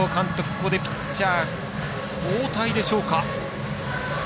ここでピッチャー交代でしょうか。